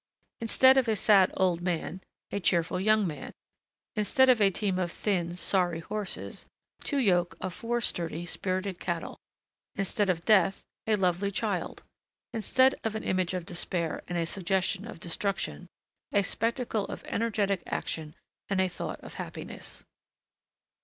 Instead of a sad old man, a cheerful young man; instead of a team of thin, sorry horses, two yoke of four sturdy, spirited cattle; instead of Death, a lovely child; instead of an image of despair and a suggestion of destruction, a spectacle of energetic action and a thought of happiness.